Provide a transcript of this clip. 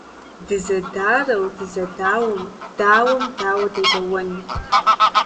Дызэдарэу дызэдауэм - дауэм дауэ дедэуэн?